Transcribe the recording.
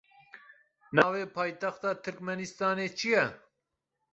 Navê paytexta Tirkmenistanê çi ye?